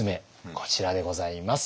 こちらでございます。